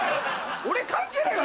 俺関係ないわ！